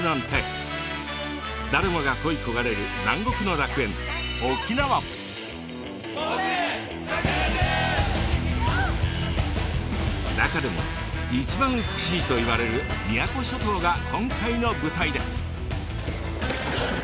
誰もが恋焦がれる中でも一番美しいといわれる宮古諸島が今回の舞台です。